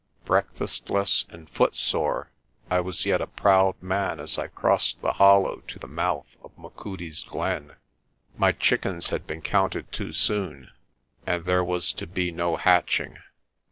Breakfastless and footsore I was yet a proud man as I crossed the hollow to the mouth of Machudi's glen. My chickens had been counted too soon, and there was to be no hatching.